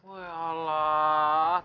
oh ya allah